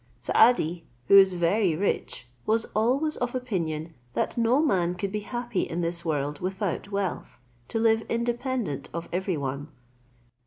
Saadi, who is very rich, was always of opinion that no man could be happy in this world without wealth, to live independent of every one.